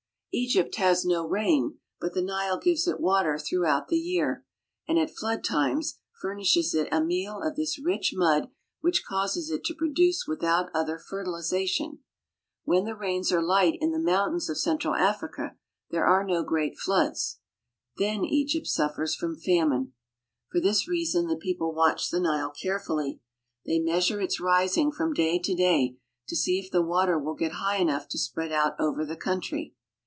Egypt has no rain, but the Nile gives it water through out the year, and at flood times furnishes it a meal of this rich mud which causes it to produce without other fertili zation. When the rains are light in the mountains of central Africa, there are no great floods. Then Egypt suffers from famine. For this reason the people watch the Nile carefully. They measure its rising, from day to day, to see if the water will get high enough to spread out (Over the country.